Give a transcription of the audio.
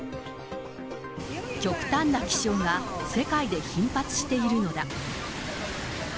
極端な気象が世界で頻発しているのだ。